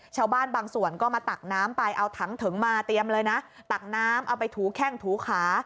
ชาวบ้านบางส่วนก็มาตักน้ำไปเอาถังถึงมาเตรียมเลยนะตักน้ำเอาไปถูแข้งถูขา